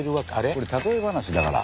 これ例え話だから。